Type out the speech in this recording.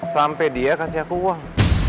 sampai dia kasih aku uang